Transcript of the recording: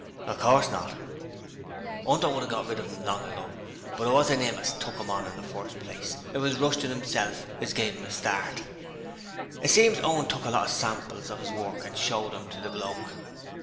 'Of course not.' ''Unter would 'ave got rid of 'im long ago, but it wasn't 'im as took 'im on in the first place. It was Rushton 'imself as give 'im a start. It seems Owen took a lot of samples of 'is work an' showed 'em to the Bloke.'